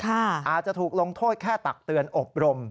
อาจจะถูกลงโทษแค่ตักเตือนอบรม